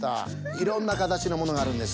いろんなかたちのものがあるんです。